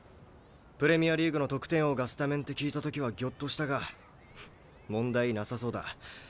プレミアリーグの得点王がスタメンって聞いた時はギョッとしたがフッ問題なさそうだ。